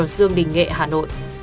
dương đình nghệ hà nội